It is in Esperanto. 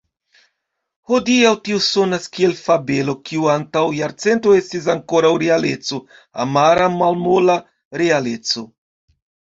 Hodiaŭ tio sonas kiel fabelo, kio antaŭ jarcento estis ankoraŭ realeco, amara malmola realeco.